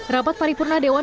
rapat paripurna dewan